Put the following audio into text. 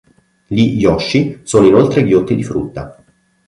Gli Yoshi inoltre sono ghiotti di frutta.